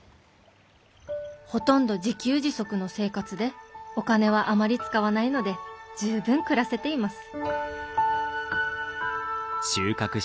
「ほとんど自給自足の生活でお金はあまり使わないので十分暮らせています」。